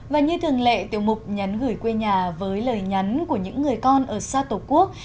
và như thường lệ tiểu mục nhắn gửi quê nhà với lời nhắn của những người con ở xa tổ quốc